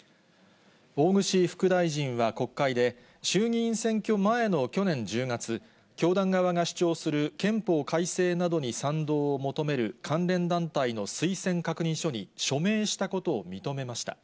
大串副大臣は国会で、衆議院選挙前の去年１０月、教団側が主張する憲法改正などに賛同を求める、関連団体の推薦確認書に署名したことを認めました。